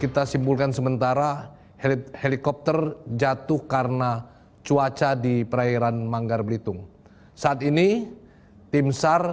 kita simpulkan sementara helikopter jatuh karena cuaca diperairan manggar blitung saat ini timsar